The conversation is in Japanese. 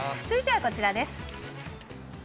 続いてはこちらです。